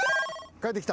帰ってきた。